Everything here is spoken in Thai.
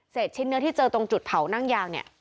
ชิ้นเนื้อที่เจอตรงจุดเผานั่งยางเนี่ย